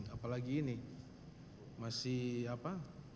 apalagi ini masih apa